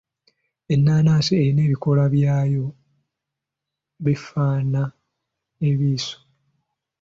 Ennaanansi erina ebikoola byayo bifaana ebiso.